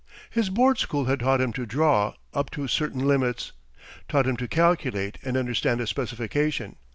His board school had taught him to draw up to certain limits, taught him to calculate and understand a specification.